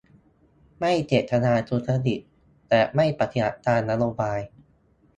ไม่เจตนาทุจริตแต่ไม่ปฏิบัติตามนโยบาย !